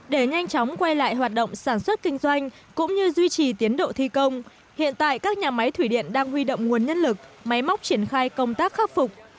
để nhanh chóng quay lại hoạt động sản xuất kinh doanh cũng như duy trì tiến độ thi công hiện tại các nhà máy thủy điện đang huy động nguồn nhân lực máy móc triển khai công tác khắc phục